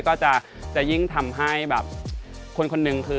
ก็จะยิ่งทำให้คนหนึ่ง